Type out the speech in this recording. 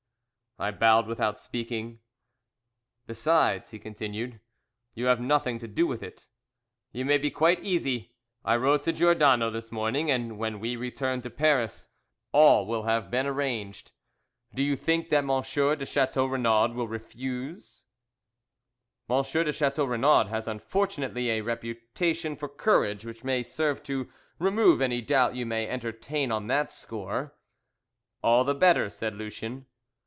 I bowed without speaking. "Besides," he continued, "you have nothing to do with it. You may be quite easy. I wrote to Giordano this morning, and when we return to Paris all will have been arranged. Do you think that M. de Chateau Renaud will refuse?" "M. de Chateau Renaud has unfortunately a reputation for courage which may serve to remove any doubt you may entertain on that score." "All the better," said Lucien.